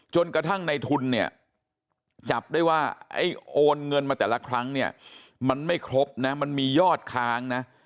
กระทั่งในทุนเนี่ยจับได้ว่าไอ้โอนเงินมาแต่ละครั้งเนี่ยมันไม่ครบนะมันมียอดค้างนะ